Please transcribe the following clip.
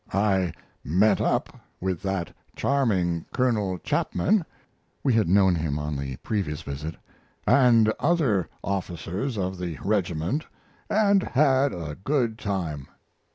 I "met up" with that charming Colonel Chapman [we had known him on the previous visit] and other officers of the regiment & had a good time.